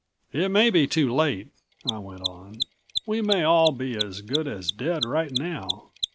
"It may be too late," I went on. "We may all be as good as dead right now.